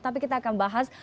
tapi kita akan bahas